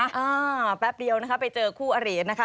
แป๊บเดียวนะคะไปเจอคู่อรีนนะคะ